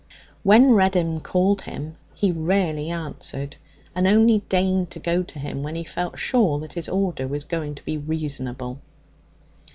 When Reddin called him he rarely answered, and only deigned to go to him when he felt sure that his order was going to be reasonable.